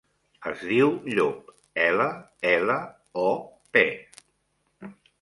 Es diu Llop: ela, ela, o, pe.